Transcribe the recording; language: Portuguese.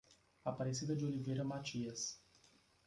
Aparecida de Oliveira Matias